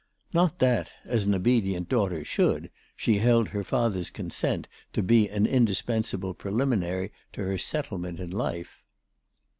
Not that, as an obedient daughter should, she held her father's consent to be an indispensable preliminary to her settlement in life.